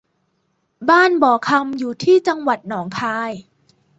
บ้านบ่อคำอยู่ที่จังหวัดหนองคาย